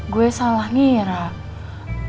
gua salah nih ya rab